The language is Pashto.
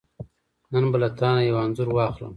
نن به له تانه یو انځور واخلم .